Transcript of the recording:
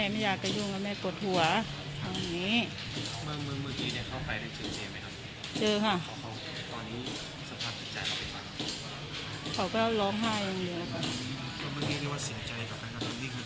เขาก็ร้องไห้อย่างเนี้ยค่ะเขาเมื่อกี้เรียกว่าเสียใจกับแผ่นกำลังที่เขาเกิดขึ้นมา